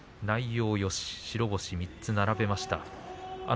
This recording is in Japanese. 内容よし、白星３つ並べました。